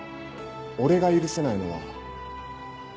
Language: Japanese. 俺が許せないのは。